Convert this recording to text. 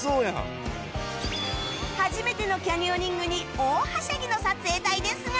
初めてのキャニオニングに大はしゃぎの撮影隊ですが